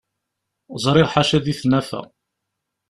Ẓriɣ ḥaca di tnafa.